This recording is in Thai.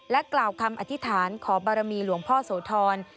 กล่าวคำอธิษฐานขอบารมีหลวงพ่อโสธร